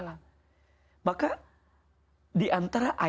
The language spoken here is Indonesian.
yang disukai oleh allah adalah